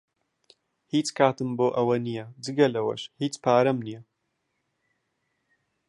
هیچ کاتم بۆ ئەوە نییە، جگە لەوەش، هیچ پارەم نییە.